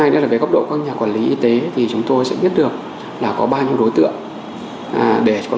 ba là về góc độ các nhà quản lý y tế thì chúng tôi sẽ biết được là có bao nhiêu đối tượng để có